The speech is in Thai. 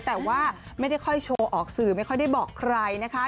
แต่ว่าไม่ได้ค่อยโชว์ออกสื่อไม่ค่อยได้บอกใครนะคะ